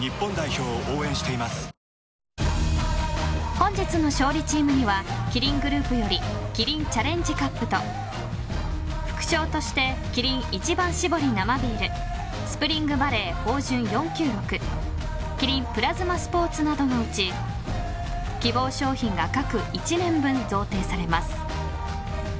本日の勝利チームにはキリングループよりキリンチャレンジカップと副賞としてキリン一番搾り生ビールスプリングバレー豊潤４９６キリンプラズマスポーツなどのうち希望商品が各１年分贈呈されます。